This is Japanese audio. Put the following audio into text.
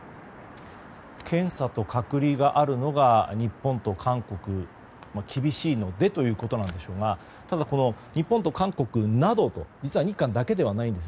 検査と隔離があるのが日本と韓国で厳しいのでということですがただ、日本と韓国などと実は日韓だけではないんです。